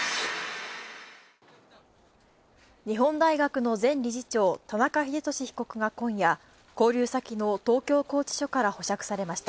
日本大学の前理事長、田中英寿被告が今夜、勾留先の東京拘置所から保釈されました。